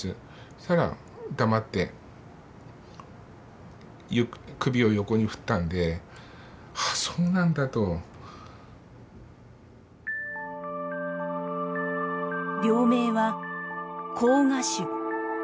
そうしたら黙って首を横に振ったので「はあそうなんだ」と。病名は膠芽腫。